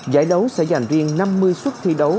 giải đấu sẽ dành riêng năm mươi suất thi đấu